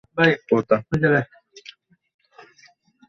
শেষের দিকে তিনি নারীদের সীমিত আকারে প্রশাসনিক পদে কাজ করারও সুযোগ দেন।